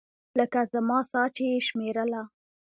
لکه زما ساه چې يې شمېرله.